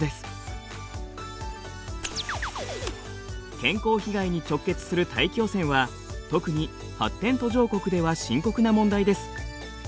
健康被害に直結する大気汚染は特に発展途上国では深刻な問題です。